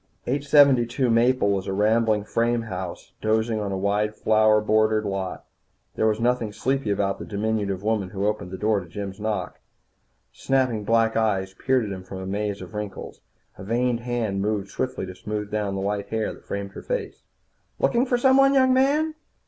872 Maple was a rambling frame house dozing on a wide flower bordered lot. There was nothing sleepy about the diminutive woman who opened the door to Jim's knock. Snapping black eyes peered at him from a maze of wrinkles. A veined hand moved swiftly to smooth down the white hair that framed her face. "Looking for someone, young man?"